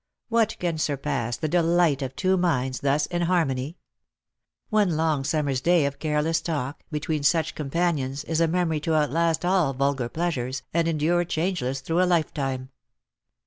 What can surpass the delight of two minds thus in harmony ? One long summer's day of careless talk, between such com panions, is a memory to outlast all vulgar pleasures, and endure changeless through a lifetime.